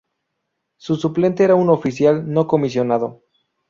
Su suplente era un oficial no comisionado.